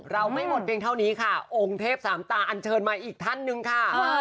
ไม่หมดเพียงเท่านี้ค่ะองค์เทพสามตาอันเชิญมาอีกท่านหนึ่งค่ะ